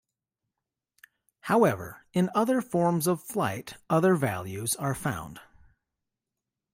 However, in other forms of flight other values are found.